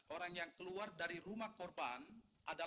orang yang keluar dari rumah korban dan melantar di pagar